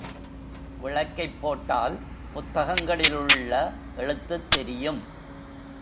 விளக்கைப் போட்டால் புத்தகங்களிலுள்ள எழுத்துத் தெரியும்.